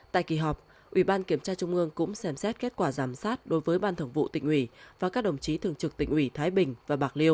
tại kỳ họp ủy ban kiểm tra trung ương cũng xem xét kết quả giám sát đối với ban thường vụ tỉnh ủy và các đồng chí thường trực tỉnh ủy thái bình và bạc liêu